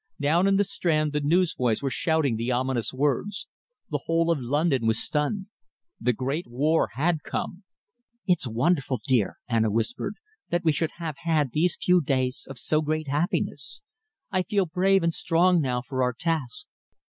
Down in the Strand, the newsboys were shouting the ominous words. The whole of London was stunned. The great war had come! "It's wonderful, dear," Anna whispered, "that we should have had these few days of so great happiness. I feel brave and strong now for our task."